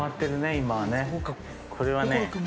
これはね。